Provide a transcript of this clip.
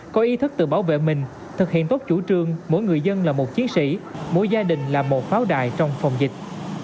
có ý thức tự bảo vệ mình thực hiện tốt chủ trương mỗi người dân là một chiến sĩ mỗi gia đình là một pháo đài trong phòng dịch